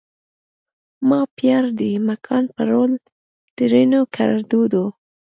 ما پیار دې مکان پرول؛ ترينو کړدود